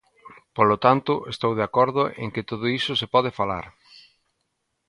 Polo tanto, estou de acordo en que todo iso se pode falar.